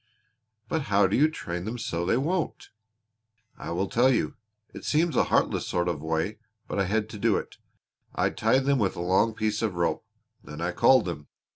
"But how do you train them so they won't?" "I will tell you. It seems a heartless sort of way, but I had to do it. I tied them with a long piece of rope; then I called them.